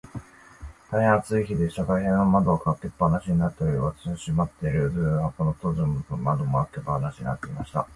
大へん暑い日でしたが、部屋の窓は開け放しになっており、私の住まっている箱の戸口も窓も、開け放しになっていました。